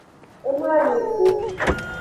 E mloanyi go.